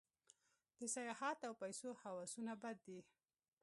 د سیاحت او پیسو هوسونه بد دي.